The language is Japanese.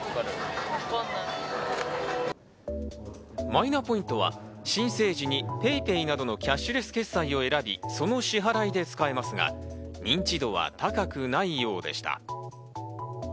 マイナポイントは申請時にＰａｙＰａｙなどのキャッシュレス決済を選び、その支払いで使えますが、認知度は高くないようでした。